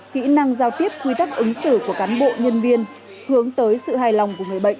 kỹ năng giao tiếp quy tắc ứng xử của cán bộ nhân viên hướng tới sự hài lòng của người bệnh